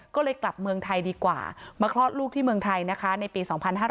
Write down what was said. ก็เลยกลับเมืองไทยดีกว่ามาคลอดลูกที่เมืองไทยนะคะในปี๒๕๕๙